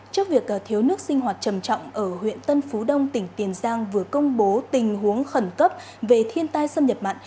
trước việc thiếu nước sinh hoạt trầm trọng ở huyện tân phú đông tỉnh tiền giang vừa công bố tình huống khẩn cấp về thiên tai xâm nhập mặn